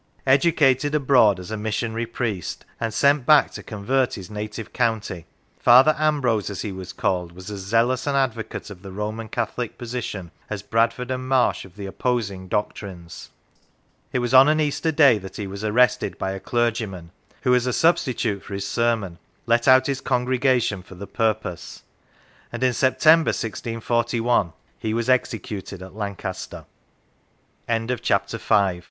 Educated abroad as a missionary priest, and sent back to convert his native county, Father Ambrose, as he was called, was as zealous an advocate of the Roman Catholic position as Bradford and Marsh of the opposing doctrines. It was on an Easter Day that he was arrested by a clergyman who, as a substitute for his sermon, led out his congregation for the purpose; and in September, 1641, he was ex